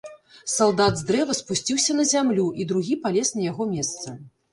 Салдат з дрэва спусціўся на зямлю, і другі палез на яго месца.